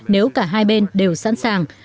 nếu cả hai bên đều sẵn sàng